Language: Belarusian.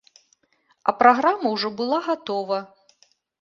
А праграма ўжо была гатова.